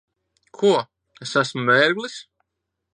Ko? Es esmu mērglis?